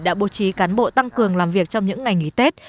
đã bố trí cán bộ tăng cường làm việc trong những ngày nghỉ tết